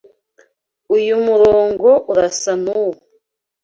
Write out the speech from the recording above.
Uyu murongo urasa nuwo.